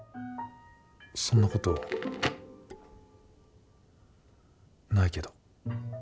そんなことないけど。